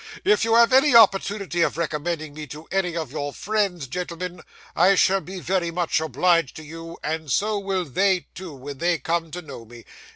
If you have any opportunity of recommending me to any of your friends, gentlemen, I shall be very much obliged to you, and so will they too, when they come to know me.